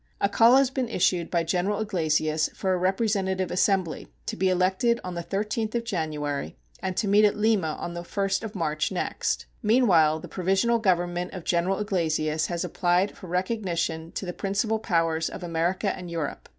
A call has been issued by General Iglesias for a representative assembly, to be elected on the 13th of January, and to meet at Lima on the 1st of March next. Meanwhile the provisional government of General Iglesias has applied for recognition to the principal powers of America and Europe.